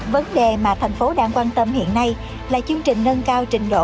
vấn đề mà thành phố đang quan tâm hiện nay là chương trình nâng cao trình độ